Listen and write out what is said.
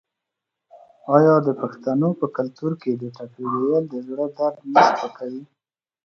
آیا د پښتنو په کلتور کې د ټپې ویل د زړه درد نه سپکوي؟